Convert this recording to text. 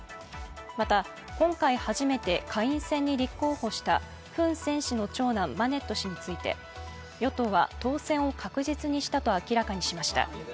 また今回初めて下院選に立候補したフン・セン氏の長男、マネット氏について、与党は当選を確実にしたと明らかにしました。